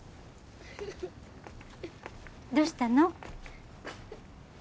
どうしたの？